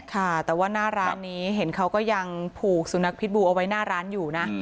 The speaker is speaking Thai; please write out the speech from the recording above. ค่ะแต่ว่าหน้าร้านนี้เห็นเขาก็ยังผูกสุนัขพิษบูเอาไว้หน้าร้านอยู่นะ